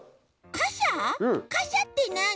かしゃってなに？